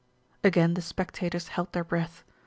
Again the spectators held their breath.